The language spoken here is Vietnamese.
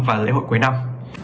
và lễ hội cuối năm